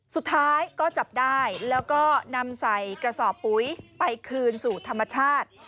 สุดท้ายก็จับได้แล้วก็นำใส่กระสอบปุ๋ยไปคืนสู่ธรรมชาติ